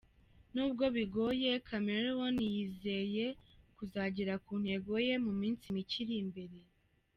N’ubwo bigoye, Chameleone yizeye kuzagera ku ntego ye mu minsi mike iri imbere.